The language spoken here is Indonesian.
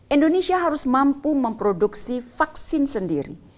indonesia harus mampu memproduksi vaksin sendiri